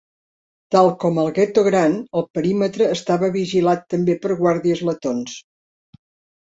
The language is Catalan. Tal com al gueto gran, el perímetre estava vigilat també per guàrdies letons.